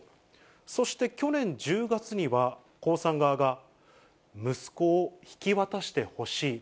そして去年１０月には、江さん側が、息子を引き渡してほしい。